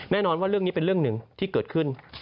แน่นอนว่าเรื่องนี้เป็นเรื่องหนึ่งที่เกิดขึ้น